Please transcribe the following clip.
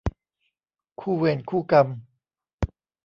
คู่เวรคู่กรรม